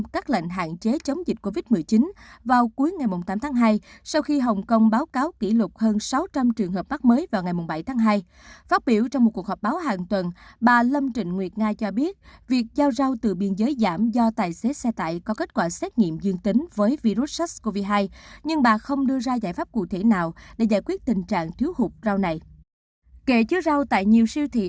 các bạn hãy đăng ký kênh để ủng hộ kênh của chúng mình nhé